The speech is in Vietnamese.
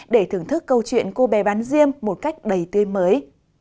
để thưởng thức câu chuyện cô bé bán riêng một cách đầy tươi mới